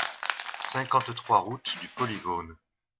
cinquante-trois route du Polygone